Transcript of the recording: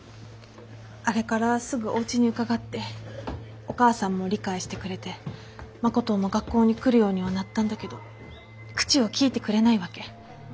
あれからすぐおうちに伺ってお母さんも理解してくれて誠も学校に来るようにはなったんだけど口をきいてくれないわけ。